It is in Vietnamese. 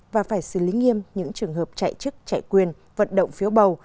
và phải xử lý nghiêm những trường hợp chạy chức chạy quyền vận động phiếu bầu